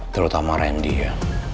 terutama randy ya